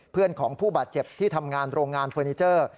เพื่อนของผู้บาดเจ็บที่ทำงานโรงงานเฟอร์นิเจอร์